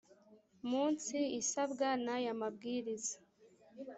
munsi isabwa n aya mabwiriza